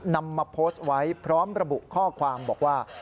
นำมาโพสต์ไว้พร้อมระบุข้อความบอกว่า